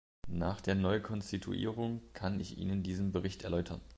Nach der Neukonstituierung kann ich Ihnen diesen Bericht erläutern.